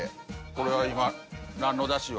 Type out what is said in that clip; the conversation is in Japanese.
これは今何のだしを。